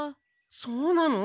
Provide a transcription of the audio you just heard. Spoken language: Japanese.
そうなの？